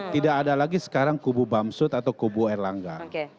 tidak ada lagi sekarang kubu bamsud atau kubu erlangga